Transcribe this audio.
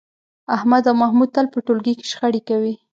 احمد او محمود تل په ټولګي کې شخړې کوي.